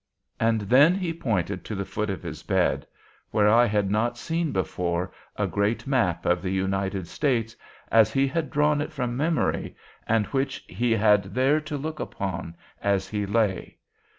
And then he pointed to the foot of his bed, where I had not seen before a great map of the United States, as he had drawn it from memory, and which he had there to look upon as he lay.